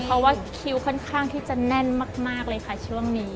เพราะว่าคิวค่อนข้างที่จะแน่นมากเลยค่ะช่วงนี้